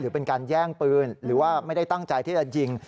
เป็นการแย่งปืนหรือว่าไม่ได้ตั้งใจที่จะยิง